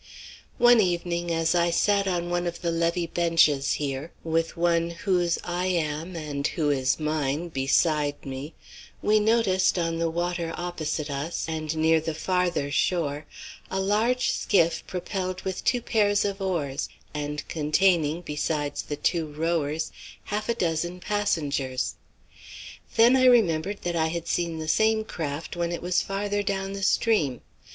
One evening as I sat on one of the levee benches here, with one whose I am and who is mine beside me, we noticed on the water opposite us, and near the farther shore, a large skiff propelled with two pairs of oars and containing, besides the two rowers, half a dozen passengers. Then I remembered that I had seen the same craft when it was farther down the stream.